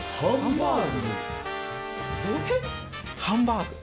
ハンバーグ。